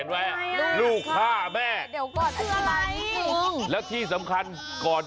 ว้าว